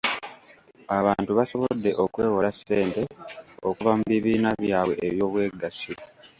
Abantu basobodde okwewola ssente okuva mu bibiina byabwe eby'obwegassi.